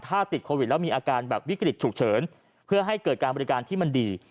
ถ้าติดโควิดแล้วมีอาการแบบวิกฤตฉุกเฉินเพื่อให้เกิดการบริการที่มันดี